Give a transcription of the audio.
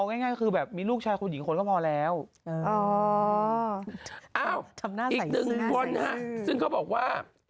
อ้าวอีกหนึ่งคนครับซึ่งเค้าบอกว่า